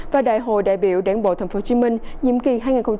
và đại hội đại biểu đảng bộ tp hcm nhiệm kỳ hai nghìn hai mươi hai nghìn hai mươi năm